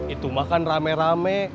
itu makan rame rame